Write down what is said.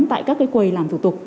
tại các cái quầy làm thủ tục